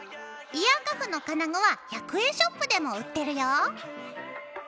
イヤーカフの金具は１００円ショップでも売ってるよ。